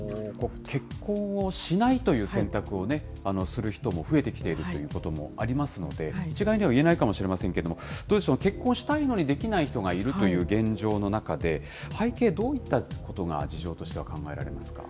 結婚をしないという選択をね、する人も増えてきているということもありますので、一概には言えないかもしれませんけれども、どうでしょう、結婚したいのにできない人がいるという現状の中で、背景、どういったことが事情としては考えられますか。